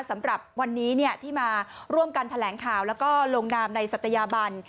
สำหรับวันนี้ที่มาร่วมกันแถลงข่าวแล้วก็ลงนามในศัตยาบัน